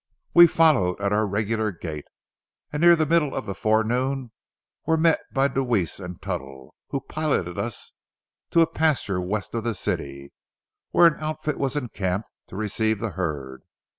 We followed at our regular gait, and near the middle of the forenoon were met by Deweese and Tuttle, who piloted us to a pasture west of the city, where an outfit was encamped to receive the herd.